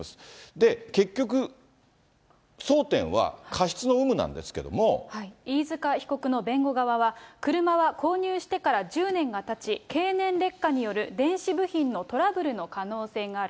で、結局争点は、飯塚被告の弁護側は、車は購入してから１０年がたち、経年劣化による電子部品のトラブルの可能性がある。